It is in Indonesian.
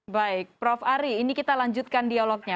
baik prof ari ini kita lanjutkan dialognya